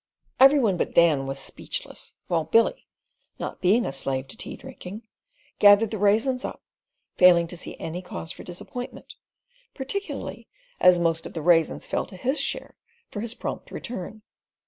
Every one but Dan was speechless, while Billy, not being a slave to tea drinking, gathered the raisins up, failing to see any cause for disappointment, particularly as most of the raisins fell to his share for his prompt return.